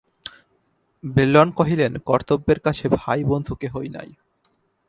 বিল্বন কহিলেন, কর্তব্যের কাছে ভাই বন্ধু কেহই নাই।